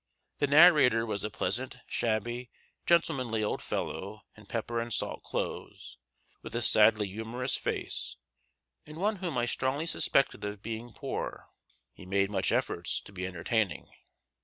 The narrator was a pleasant, shabby, gentlemanly old fellow in pepper and salt clothes, with a sadly humorous face, and one whom I strongly suspected of being poor, he made such efforts to be entertaining.